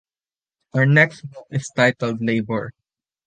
Our next book is titled "Labor".